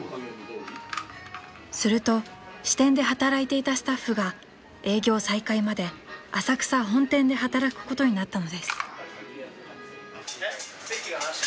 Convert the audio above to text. ［すると支店で働いていたスタッフが営業再開まで浅草本店で働くことになったのです］